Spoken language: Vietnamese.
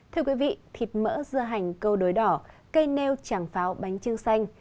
thưa quý vị thịt mỡ dưa hành câu đối đỏ cây nêu tràng pháo bánh trưng xanh